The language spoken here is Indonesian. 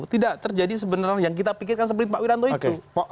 tidak terjadi sebenarnya yang kita pikirkan seperti pak wiranto itu